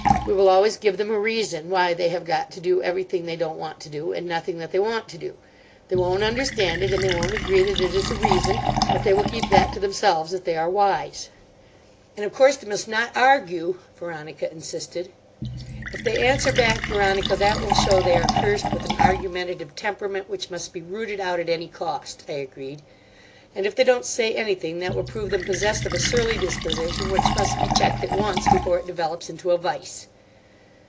We will always give them a reason why they have got to do everything they don't want to do, and nothing that they want to do. They won't understand it and they won't agree that it is a reason; but they will keep that to themselves, if they are wise." "And of course they must not argue," Veronica insisted. "If they answer back, Veronica, that will show they are cursed with an argumentative temperament which must be rooted out at any cost," I agreed; "and if they don't say anything, that will prove them possessed of a surly disposition which must be checked at once, before it develops into a vice."